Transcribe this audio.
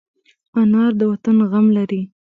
انا د وطن غم لري